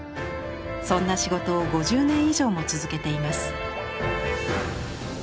そんな仕事を５０年以上も続けています。